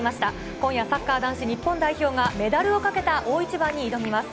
今夜、サッカー男子日本代表がメダルをかけた大一番に挑みます。